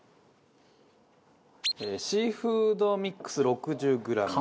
シーフードミックス６０グラム。